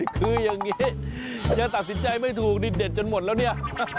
คืออย่างนี้ยังตัดสินใจไม่ถูกนี่เด็ดจนหมดแล้วเนี่ย